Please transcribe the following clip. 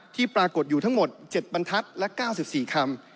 ปรากฏอยู่ทั้งหมด๗บรรทัศน์และ๙๔คำ